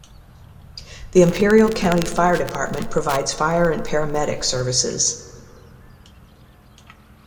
The Imperial County Fire Department provides fire and paramedic services.